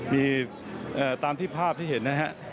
มีตามที่ภาพที่เห็นนะฮะ